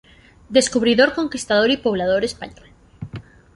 Descubridor, conquistador y poblador español.